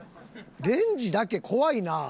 レンジだけ怖いな。